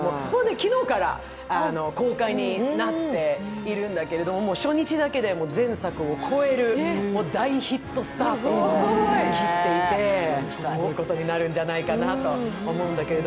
昨日から公開になっているんだけど、初日だけで前作を超える大ヒットスタートを切っていて、すごいことになるんじゃないかなと思うんだけど。